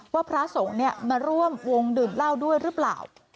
พระสงฆ์มาร่วมวงดื่มเหล้าด้วยหรือเปล่า